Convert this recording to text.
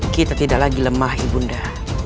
kita tidak lagi lemah ibu anda